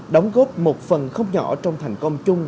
đóng góp một phần không nhỏ trong thành công chung